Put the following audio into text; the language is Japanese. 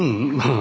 あ